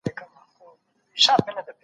ضايع کول يې ګناه ده.